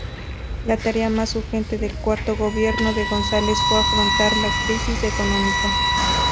La tarea más urgente del cuarto Gobierno de González fue afrontar la crisis económica.